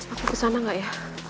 aku kesana gak ya